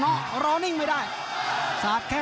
ภูตวรรณสิทธิ์บุญมีน้ำเงิน